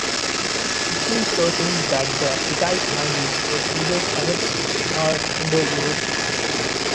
It seems certain that the Hittite language was neither Semitic nor Indo-European.